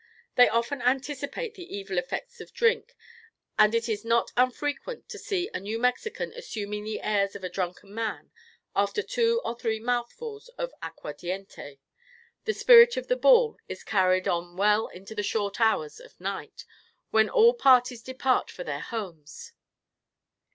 They often anticipate the evil effects of drink, and it is not unfrequent to see a New Mexican assuming the airs of a drunken man after two or three mouthfuls of "aqua diente." The spirit of the ball is carried on well into the short hours of night, when all parties depart for their homes.